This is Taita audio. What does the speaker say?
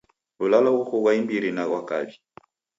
W'ulalo ghoko ghwa imbiri na ghwa kaw'i.